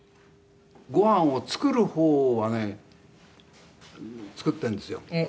「ご飯を作る方はね作っているんですよ」